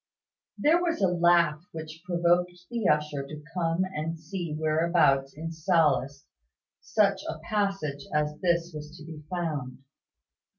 There was a laugh which provoked the usher to come and see whereabouts in Sallust such a passage as this was to be found.